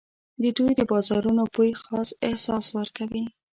د دوی د بازارونو بوی خاص احساس ورکوي.